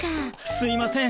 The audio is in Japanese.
すいません